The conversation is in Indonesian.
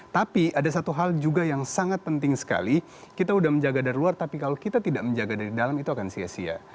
tapi ada satu hal juga yang sangat penting sekali kita sudah menjaga dari luar tapi kalau kita tidak menjaga dari dalam itu akan sia sia